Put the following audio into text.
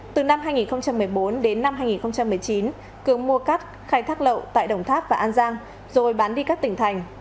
từ năm hai nghìn một mươi bốn đến năm hai nghìn một mươi chín cường mua cắt khai thác lậu tại đồng tháp và an giang rồi bán đi các tỉnh thành